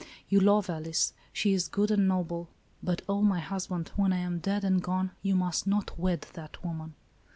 You love Alice ; she is good and noble, but, oh my husband, when I am dead and gone, you must not wed that woman."